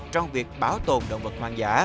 trong việc bảo tồn động vật hoang dã